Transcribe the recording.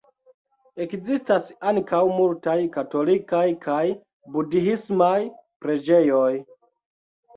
Ekzistas ankaŭ multaj katolikaj kaj budhismaj preĝejoj.